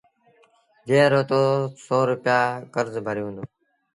جݩهݩ رو تو سو روپيآ ڪرز ڀريو هُݩدو